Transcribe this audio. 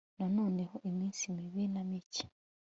Noneho iminsi mibi na mike